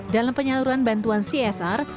dalam penyaluran bantuan csr